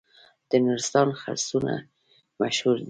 د نورستان خرسونه مشهور دي